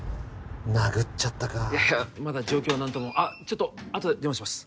殴っちゃったかいやいやまだ状況は何ともあっちょっとあとで電話します